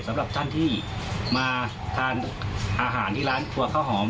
สำหรับท่านที่มาทานอาหารที่ร้านครัวข้าวหอม